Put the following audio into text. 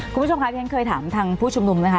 คุณผู้ชมคะที่ฉันเคยถามทางผู้ชุมนุมนะคะ